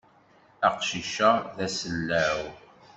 Aqcic-a d asellaw.